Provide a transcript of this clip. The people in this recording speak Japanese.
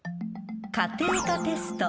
家庭科テスト。